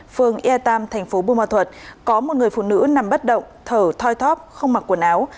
phường ea tam thành phố bù ma thuật có một người phụ nữ nằm bất động thở thoi thóp không mặc quần áo